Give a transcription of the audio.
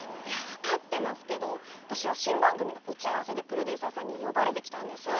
分かってますけど私は新番組の打ち合わせでプロデューサーさんに呼ばれて来たんです！